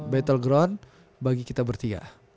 battle ground bagi kita bertiga